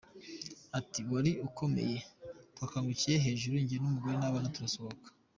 Ati “Wari ukomeye, twakangukiye hejuru njye n’umugore n’abana turasohoka.